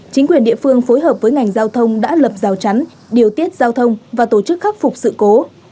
chính quyền địa phương phối hợp với ngành giao thông đã lập rào chắn điều tiết giao thông và tổ chức khắc phục sự cố